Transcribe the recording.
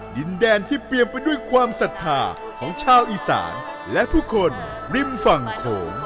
ดินแดนที่เปรียมไปด้วยความศรัทธาของชาวอีสานและผู้คนริมฝั่งโขง